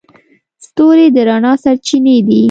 ستوري د رڼا سرچینې دي.